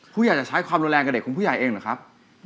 ผู้อยากจะใช้ความแรงกับเด็กของผู้ใหญ่เองล่ะครับ